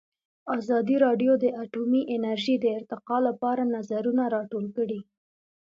ازادي راډیو د اټومي انرژي د ارتقا لپاره نظرونه راټول کړي.